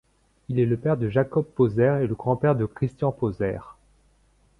Il est le père de Jacob Pozer et le grand-père de Christian Pozer.